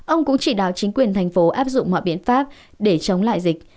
ông cũng chỉ đạo chính quyền thành phố áp dụng mọi biện pháp để chống lại dịch